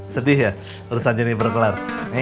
sedih ya urusan jenis berkelar